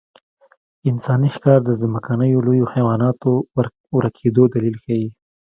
انساني ښکار د ځمکنیو لویو حیواناتو ورکېدو دلیل ښيي.